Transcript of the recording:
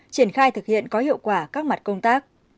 triển khai thực hiện có hiệu quả các mặt công tác